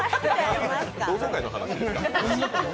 同窓会の話ですか。